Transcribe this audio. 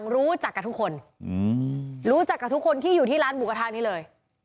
รู้จักกับทุกคนที่อยู่ที่ร้านหมูกระทะนี้เลย